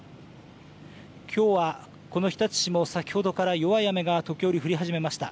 きょうはこの日立市も先ほどから弱い雨が時折降り始めました。